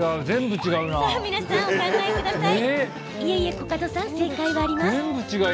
皆さんお考えください。